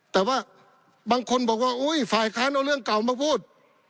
แต่ว่าบางคนบอกว่าอุ้ยฝ่ายค้านเอาเรื่องเก่ามาพูด